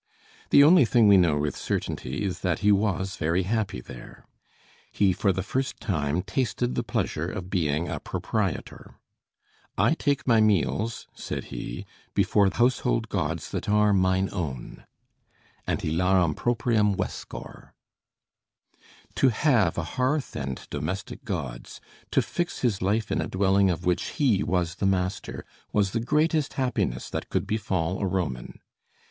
The only thing we know with certainty is that he was very happy there: he for the first time tasted the pleasure of being a proprietor. "I take my meals," said he, "before household gods that are mine own" ("ante larem proprium vescor"). To have a hearth and domestic gods, to fix his life in a dwelling of which he was the master, was the greatest happiness that could befall a Roman.